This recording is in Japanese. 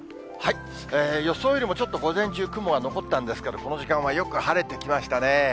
予想よりもちょっと午前中、雲が残ったんですけど、この時間はよく晴れてきましたね。